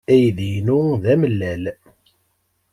Aydi-inu d amellal.